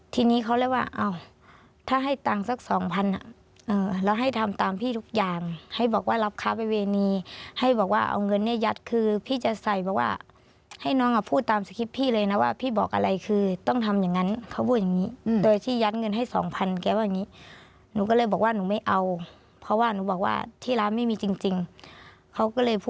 ทีนี้เขาเลยว่าอ้าวถ้าให้ตังค์สักสองพันอ่ะเราให้ทำตามพี่ทุกอย่างให้บอกว่ารับค้าประเวณีให้บอกว่าเอาเงินเนี่ยยัดคือพี่จะใส่บอกว่าให้น้องอ่ะพูดตามสคริปต์พี่เลยนะว่าพี่บอกอะไรคือต้องทำอย่างนั้นเขาพูดอย่างนี้โดยที่ยัดเงินให้สองพันแกว่าอย่างนี้หนูก็เลยบอกว่าหนูไม่เอาเพราะว่าหนูบอกว่าที่ร้านไม่มีจริงเขาก็เลยพูด